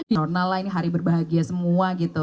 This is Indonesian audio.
ini hari berbahagia semua gitu